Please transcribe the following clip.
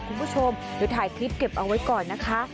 คุณผู้ชมเดี๋ยวถ่ายคลิปเก็บเอาไว้ก่อนนะคะ